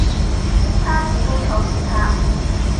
她极度瞧不起他